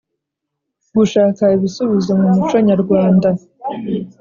Gushaka ibisubizo mu muco nyarwanda